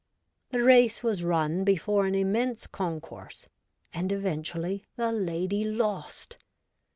The race was run before an immense concourse, and eventually the lady lost